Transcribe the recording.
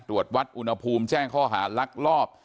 ตรวจวัดอุณหภูมิแจ้งข้อหาลักลอบ